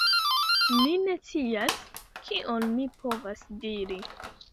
Mi ne scias, kion mi povas diri.